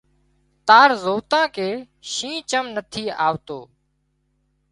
تار زوتان ڪي شينهن چم نٿي آوتو